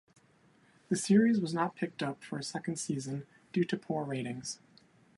The series was not picked up for second season due to poor ratings.